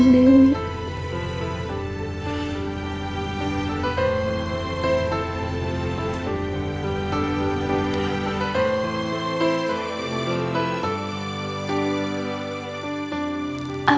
aku ingin tahu apa yang kamu lakukan